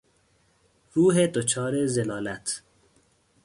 روح دچار ضلالت